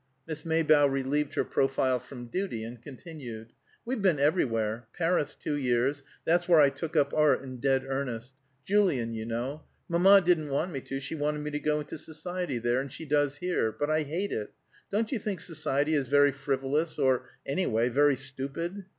Miss Maybough relieved her profile from duty, and continued, "We've been everywhere. Paris two years. That's where I took up art in dead earnest; Julian, you know. Mamma didn't want me to; she wanted me to go into society there; and she does here; but I hate it. Don't you think society is very frivolous, or, any way, very stupid?"